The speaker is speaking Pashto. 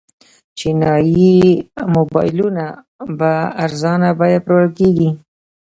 چینايي موبایلونه په ارزانه بیه پلورل کیږي.